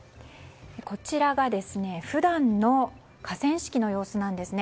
こちらが普段の河川敷の様子です。